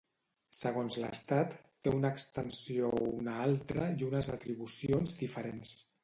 Segons l'Estat, té una extensió o una altra i unes atribucions diferents.